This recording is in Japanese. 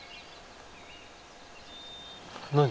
何？